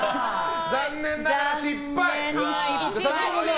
残念ながら失敗。